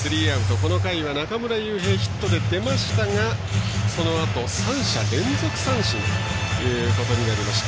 この回は中村悠平ヒットで出ましたがそのあと３者連続三振ということになりました。